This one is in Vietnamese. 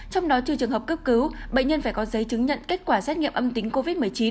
trong đó trừ trường hợp cấp cứu bệnh nhân phải có giấy chứng nhận kết quả xét nghiệm âm tính covid một mươi chín